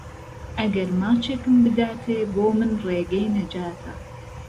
ئهگهر ماچێکم بداتێ، بۆ من ڕێگهی نهجاته